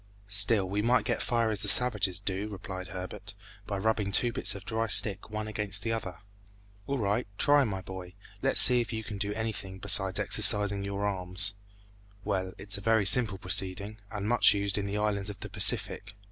"Still we might get fire as the savages do," replied Herbert, "by rubbing two bits of dry stick one against the other." "All right; try, my boy, and let's see if you can do anything besides exercising your arms." "Well, it's a very simple proceeding, and much used in the islands of the Pacific."